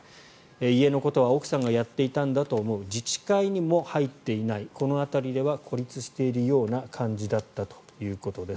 家のことは奥さんがやっていたんだと思う自治会にも入っていないこの辺りでは孤立しているような感じだったということです。